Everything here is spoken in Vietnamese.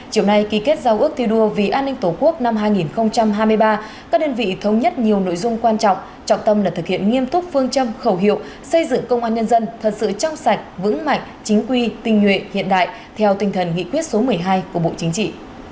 chiều nay ký kết giao ước thi đua vì an ninh tổ quốc năm hai nghìn hai mươi ba các đơn vị thống nhất nhiều nội dung quan trọng trọng tâm là thực hiện nghiêm túc phương châm khẩu hiệu xây dựng công an nhân dân thật sự trong sạch vững mạnh chính quy tình nguyện hiện đại theo tinh thần nghị quyết số một mươi hai của bộ chính trị